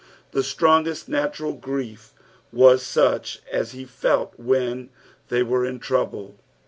The strongest natural grief was such as he felt when they were in trouble.